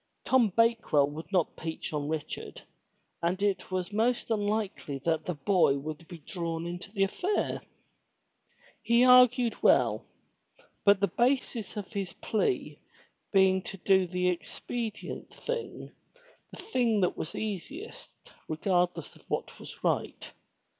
Tom Bakewell would not peach on Richard and it was most unlikely that the boy would be drawn into the affair. He argued well, but the basis of his plea being to do the expedient thing, the thing that was easiest regardless of what was right.